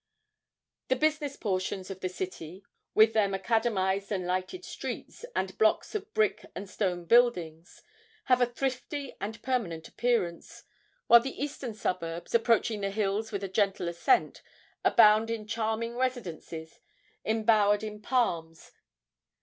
The business portions of the city, with their macadamized and lighted streets, and blocks of brick and stone buildings, have a thrifty and permanent appearance, while the eastern suburbs, approaching the hills with a gentle ascent, abound in charming residences embowered in palms.